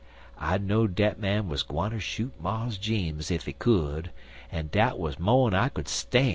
I know'd dat man wuz gwineter shoot Mars Jeems ef he could, en dat wuz mo'n I could stan'.